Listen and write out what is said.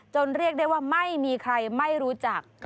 เรียกได้ว่าไม่มีใครไม่รู้จัก